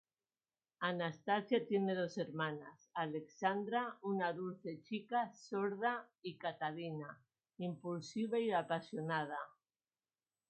Anastasia tiene dos hermanas, Alexandra, una dulce chica sorda, y Catalina, impulsiva y apasionada.